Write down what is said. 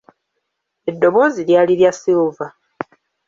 Eddoboozi lyali lya Silver.